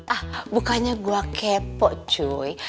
ah bukannya gua kepo cuy